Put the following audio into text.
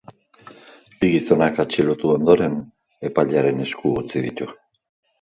Bi gizonak atxilotu ondoren, epailearen esku utzi ditu.